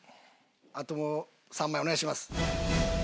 あとの３枚お願いします。